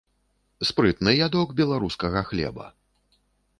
Спрытны ядок беларускага хлеба.